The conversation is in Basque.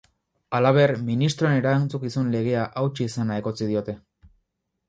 Halaber, ministroen erantzukizun legea hautsi izana egotzi diote.